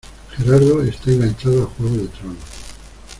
Gerardo está enganchado a Juego de tronos.